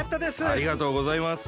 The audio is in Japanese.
ありがとうございます。